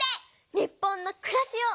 日本のくらしを！